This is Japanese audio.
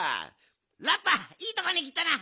ラッパーいいとこにきたな。